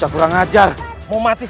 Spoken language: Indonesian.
aku akan membuatmu mati